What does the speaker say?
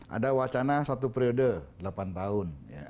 ada wacana satu periode delapan tahun